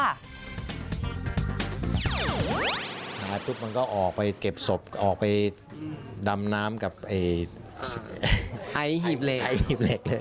อาจุ๊บมันก็ออกไปเก็บศพออกไปดำน้ำกับไอซ์หีบเหล็ก